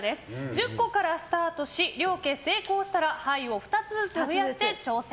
１０個からスタートし両家成功したら牌を２つ増やして挑戦。